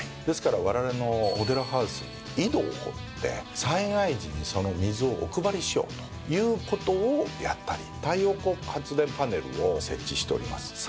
ですからわれわれのモデルハウスに井戸を掘って災害時にその水をお配りしようということをやったり太陽光発電パネルを設置しております。